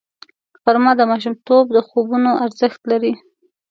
غرمه د ماشومتوب د خوبونو ارزښت لري